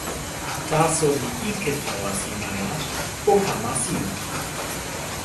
taso li ike tawa sina la, o kama sin